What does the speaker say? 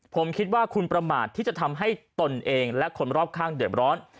ผมคิดว่าคุณประมาทที่จะทำให้ตนเองและคนรอบข้างเดือดร้อน